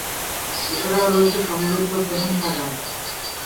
এছাড়াও রয়েছে সমৃদ্ধ গ্রন্থাগার।